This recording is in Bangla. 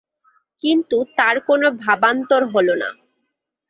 কিন্তু তাঁর কোনো ভাবান্তর হলো না।